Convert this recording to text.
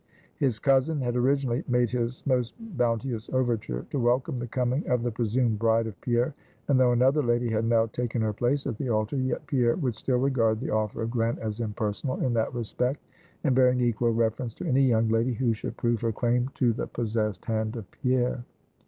His cousin had originally made his most bounteous overture, to welcome the coming of the presumed bride of Pierre; and though another lady had now taken her place at the altar, yet Pierre would still regard the offer of Glen as impersonal in that respect, and bearing equal reference to any young lady, who should prove her claim to the possessed hand of Pierre.